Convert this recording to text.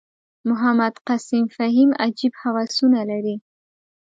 محمد قسیم فهیم عجیب هوسونه لري.